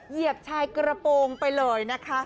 เหยียบชายกระโปรงไปเลยนะคะ